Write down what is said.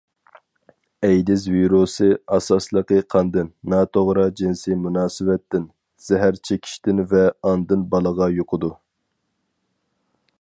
ئەيدىز ۋىرۇسى ئاساسلىقى قاندىن، ناتوغرا جىنسىي مۇناسىۋەتتىن، زەھەر چېكىشتىن ۋە ئانىدىن بالىغا يۇقىدۇ.